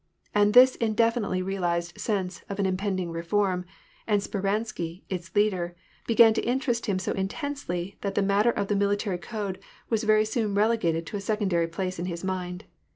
And this indefinitely realized sense of an impending reform, and Speransky, its leader, l)egan to interest him so intensely that the matter of the military code was very soon relegated to a secondaTV place in his mind.